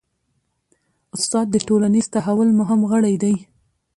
استاد د ټولنیز تحول مهم غړی دی.